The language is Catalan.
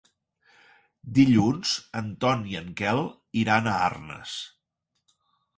Dilluns en Ton i en Quel iran a Arnes.